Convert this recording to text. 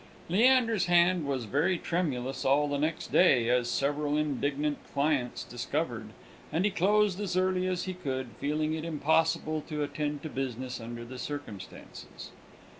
_ Leander's hand was very tremulous all the next day, as several indignant clients discovered, and he closed as early as he could, feeling it impossible to attend to business under the circumstances.